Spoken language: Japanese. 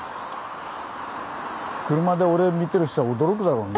車で俺見てる人は驚くだろうね。